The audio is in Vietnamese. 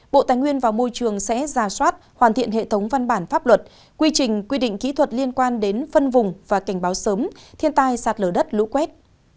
bộ tài nguyên và môi trường sẽ ra soát hoàn thiện hệ thống văn bản pháp luật quy trình quy định kỹ thuật liên quan đến phân vùng và cảnh báo sớm thiên tai sạt lở đất lũ quét